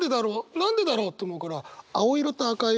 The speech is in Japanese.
なんでだろう？って思うから青色と赤色。